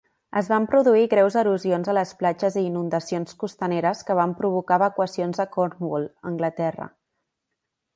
Es van produir greus erosions a les platges i inundacions costaneres, que van provocar evacuacions a Cornwall, Anglaterra.